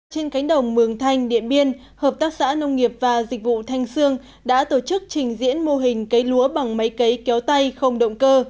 trên cánh đồng mường thanh điện biên hợp tác xã nông nghiệp và dịch vụ thanh sương đã tổ chức trình diễn mô hình cấy lúa bằng máy cấy kéo tay không động cơ